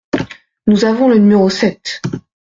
Nous avons le numéro sept…